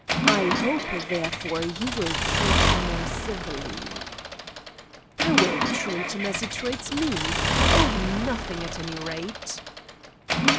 I hope, therefore, you will treat him more civilly." "I will treat him as he treats me. I owe him nothing, at any rate."